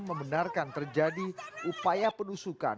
membenarkan terjadi upaya penusukan